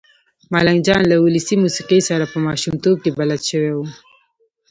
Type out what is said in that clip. ملنګ جان له ولسي موسېقۍ سره په ماشومتوب کې بلد شوی و.